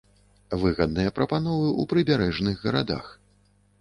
Выгадныя прапановы ў прыбярэжных гарадах.